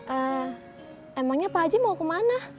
eee emangnya pak haji mau ke mana